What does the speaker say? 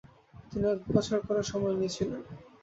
তিনি এক বছর করে সময় নিয়েছিলেন।